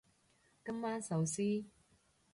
今晚壽司